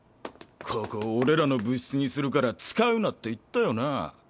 ここ俺らの部室にするから使うなって言ったよな？